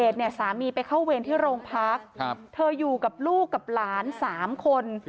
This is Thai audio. เธออยู่กับลูกกับหลาน๓คน